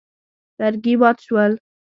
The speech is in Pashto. لرګي مات شول.